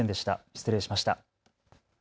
失礼しました。